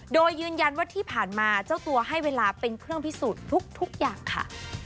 โดยยืนยันว่าที่ผ่านมาเจ้าตัวให้เวลาเป็นเครื่องพิสูจน์ทุกอย่างค่ะ